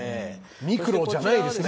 ミクロじゃないですね。